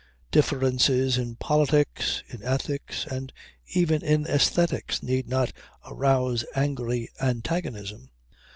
Differences in politics, in ethics and even in aesthetics need not arouse angry antagonism.